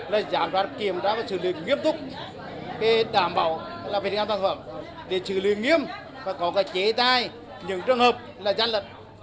là giám sát kiểm tra và xử lý nghiêm túc đảm bảo vệ sinh an toàn thực phẩm để xử lý nghiêm và có thể chế tài những trường hợp là gian lật